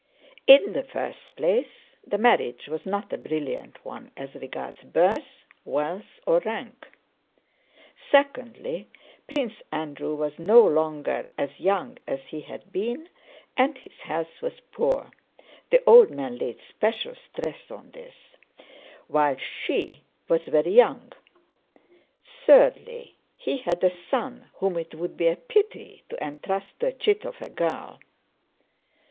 In the first place the marriage was not a brilliant one as regards birth, wealth, or rank. Secondly, Prince Andrew was no longer as young as he had been and his health was poor (the old man laid special stress on this), while she was very young. Thirdly, he had a son whom it would be a pity to entrust to a chit of a girl.